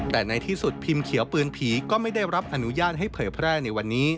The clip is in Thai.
แต่ในที่สุดพิมพ์เขียวปืนผีก็ไม่ได้รับอนุญาตให้เผยแพร่ในวันนี้